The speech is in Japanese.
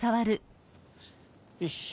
よし！